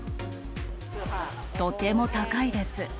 とても高いです。